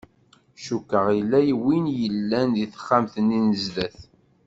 Cukkeɣ yella win i yellan di texxamt-nni n zdat.